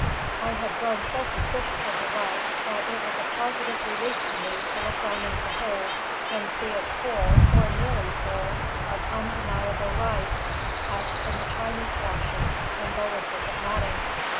I had grown so suspicious of the wreck, that it was a positive relief to me to look down into the hold, and see it full, or nearly full, of undeniable rice packed in the Chinese fashion in boluses of matting.